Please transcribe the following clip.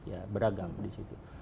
ya beragam di situ